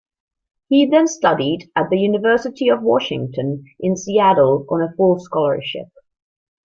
He then studied at the University of Washington in Seattle on a full scholarship.